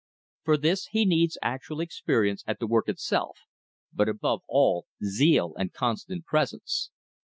For this he needs actual experience at the work itself, but above all zeal and constant presence.